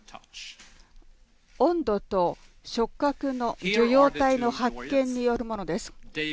温度と触覚の受容体の発見によるものです。